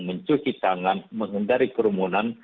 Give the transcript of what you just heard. mencuci tangan mengendari kerumunan